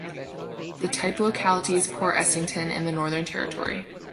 The type locality is Port Essington in the Northern Territory.